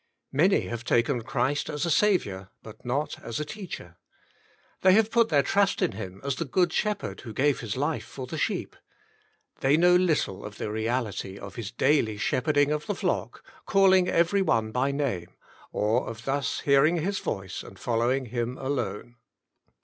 '^ Many have taken Christ as a Saviour BUT NOT AS A Teacher. They have put their trust in Him as the Good Shepherd who gave His life for the sheep ; they know little of the reality of His daily shepherding His flock, calling every one by name, or of thus hearing His voice and following Him alone.